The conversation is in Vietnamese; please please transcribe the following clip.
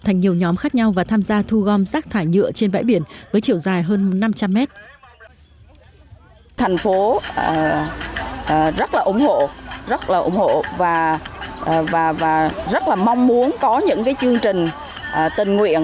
thành nhiều nhóm khác nhau và tham gia thu gom rác thải nhựa trên bãi biển với chiều dài hơn năm trăm linh mét